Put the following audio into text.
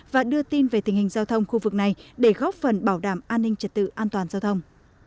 và đưa tin về tình hình giao thông khu vực này để góp phần bảo đảm an ninh trật tự an toàn giao thông